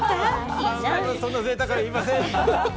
そんなぜいたくは言いません！